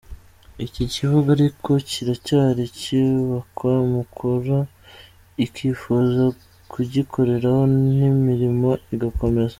Iki kibuga ariko kiracyari kubakwa mukura ikifuza kugikoreraho n’imirimo igakomeza.